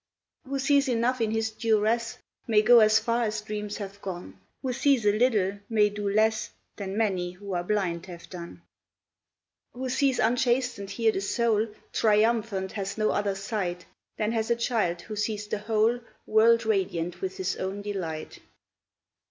Who sees enough in his duress May go as far as dreams have gone; Who sees a little may do less Than many who are blind have done; Who sees unchastened here the soul Triumphant has no other sight Than has a child who sees the whole World radiant with his own delight.